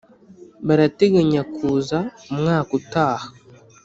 barateganya kuza umwaka utaha.